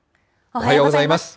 おはようございます。